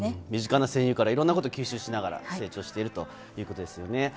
身近な戦友からいろんなことを吸収しながら成長してるということですね。